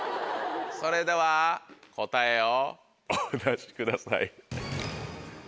それでは答えをお出しください。